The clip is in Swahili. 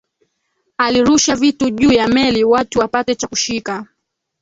alirusha vitu juu ya meli watu wapate cha kushika